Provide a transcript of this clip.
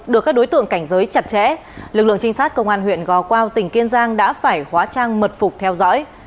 được các đối tượng cảnh giới chặt chẽ lực lượng trinh sát công an huyện gò quao tỉnh kiên giang đã phải hóa trang mật phục theo dõi